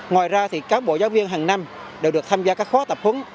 ngoài ra thì cán bộ giáo viên hàng năm đều được tham gia các khóa tập huấn